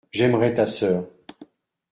J’aimerais ta sœur.